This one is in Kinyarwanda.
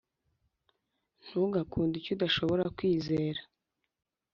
ntugakunde icyo udashobora kwizera